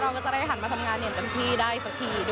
เราก็จะได้หันมาทำงงานเย็นต่ำที่ได้สักทีด้วย